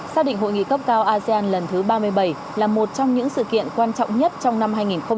xác định hội nghị cấp cao asean lần thứ ba mươi bảy là một trong những sự kiện quan trọng nhất trong năm hai nghìn hai mươi